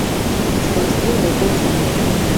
Чуваць з двух бакоў званок.